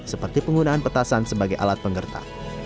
seperti penggunaan petasan sebagai alat penggerta